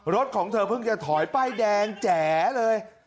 รถของเธอเพิ่งจะถอยป้ายแดงแจ๋เลย